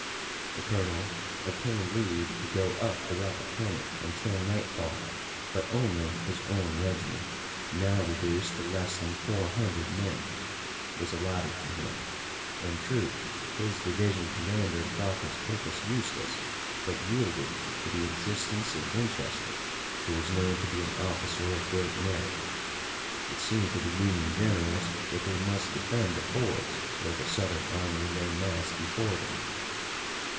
The colonel obtained leave to go up the Rappahannock until nightfall, but only his own regiment, now reduced to less than four hundred men, was allotted to him. In truth his division commander thought his purpose useless, but yielded to the insistence of Winchester who was known to be an officer of great merit. It seemed to the Union generals that they must defend the fords where the Southern army lay massed before them.